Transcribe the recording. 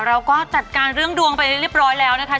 เราก็จัดการเรื่องดวงไปเรียบร้อยแล้วนะคะ